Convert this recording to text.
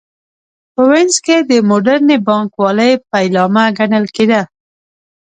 په وینز کې د موډرنې بانک والۍ پیلامه ګڼل کېده